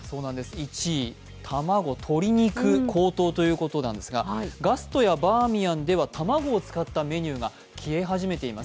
１位、卵、鶏肉、高騰ということなんですがガストやバーミヤンでは卵を使ったメニューが消え始めています。